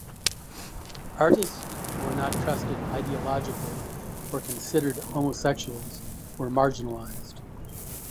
Artists who were not trusted ideologically or considered homosexuals were marginalized.